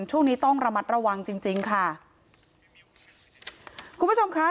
ช่วงนี้ต้องระมัดระวังจริงจริงค่ะคุณผู้ชมค่ะ